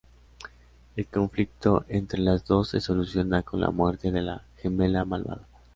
El conflicto entre las dos se soluciona con la muerte de la gemela malvada.